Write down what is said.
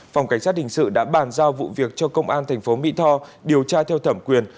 phòng cảnh sát hình sự đã bàn giao vụ việc cho công an tp mỹ tho điều tra theo thẩm quyền